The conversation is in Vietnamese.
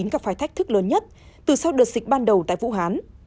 gặp phải thách thức lớn nhất từ sau đợt dịch ban đầu tại vũ hán